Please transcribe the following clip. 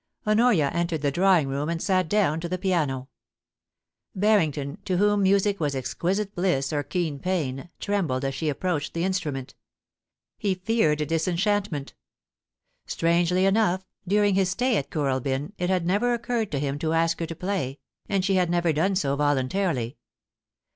Honoria entered the drawing room and sat dow^n to the piano. Barrington, to whom music was exquisite bliss or keen pain, trembled as she approached the instrument He feared disenchantment Strangely enough, during his stay at Kooralbyn, it had never occurred to him to ask her to play, and she had never done so voluntarily.